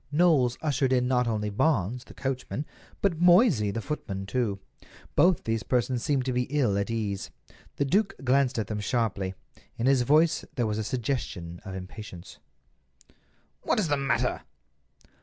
Knowles ushered in not only Barnes, the coachman, but Moysey, the footman, too. Both these persons seemed to be ill at ease. The duke glanced at them sharply. In his voice there was a suggestion of impatience. "What is the matter?"